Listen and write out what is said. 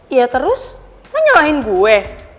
iya terus kan nyalahin gue